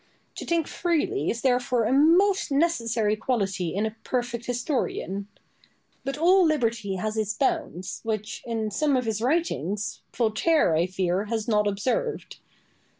To think freely is therefore a most necessary quality in a perfect historian. But all liberty has its bounds, which, in some of his writings, Voltaire, I fear, has not observed.